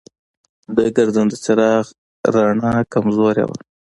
د ګرځنده چراغ رڼا کمزورې وه.